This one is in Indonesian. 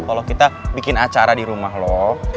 kalo kita bikin acara di rumah lo